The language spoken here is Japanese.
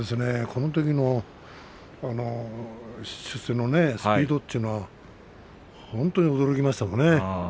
このときの出世のスピードというのは本当に驚きましたね。